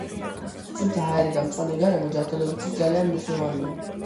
სუფთა ჰაერი და მწვანე გარემო ჯანმრთელობისთვის ძალიან მნიშვნელოვანია.